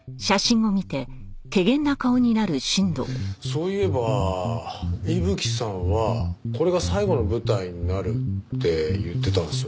そういえば伊吹さんは「これが最後の舞台になる」って言ってたんですよね。